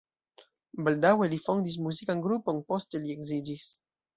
Baldaŭe li fondis muzikan grupon, poste li edziĝis.